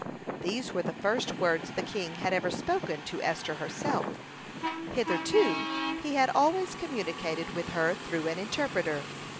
These were the first words the king had ever spoken to Esther herself. Hitherto he had always communicated with her through an interpreter.